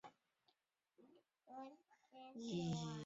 本列表列出喀麦隆的活火山与死火山。